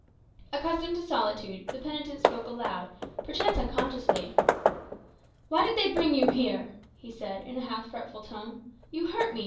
Accustomed to solitude, the penitent spoke aloud, perchance unconsciously. "Why did they bring you here?" he said, in a half fretful tone. "You hurt me.